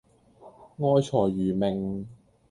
愛財如命